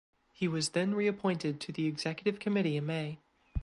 He was then reappointed to the Executive Committee in May.